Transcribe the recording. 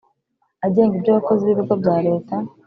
agenga ibyo abakozi b ibigo bya Leta